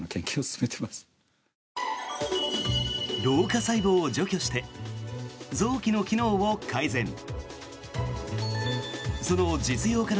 老化細胞を除去して臓器の機能を改善。